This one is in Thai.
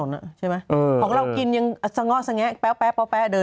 ของเรากินยังแป๊บเดินกลับบ้านได้